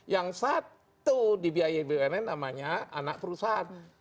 yang satu dibiayai bumn namanya anak perusahaan